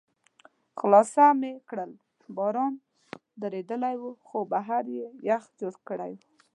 خلاصه مې کړل، باران درېدلی و، خو بهر یې یخ جوړ کړی و.